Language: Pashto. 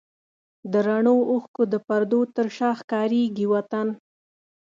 د رڼو اوښکو د پردو تر شا ښکارېږي وطن